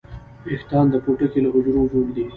ویښتان د پوټکي له حجرو جوړ دي